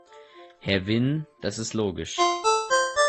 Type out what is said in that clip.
Herr Wynn, das ist logisch.